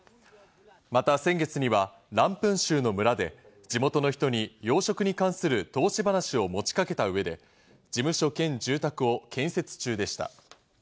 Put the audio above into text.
また先月にはランプン州の村で地元の人に、養殖に関する投資話を持ちかけた上で事務所兼住宅を建設中でした。